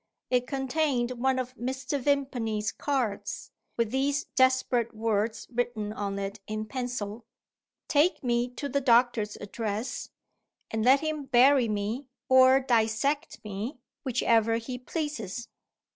It contained one of Mr. Vimpany's cards, with these desperate words written on it in pencil: "Take me to the doctor's address, and let him bury me, or dissect me, whichever he pleases."